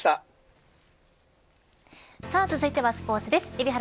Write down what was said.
さあ、続いてはスポーツです。